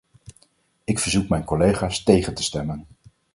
Ik verzoek mijn collega's tegen te stemmen.